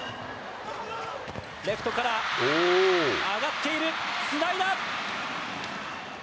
レフトから上がっている、つないだ。